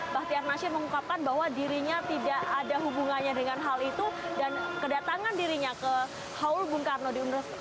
bahtiar nasir mengungkapkan bahwa dirinya tidak ada hubungannya dengan hal itu dan kedatangan dirinya ke haul bung karno di universitas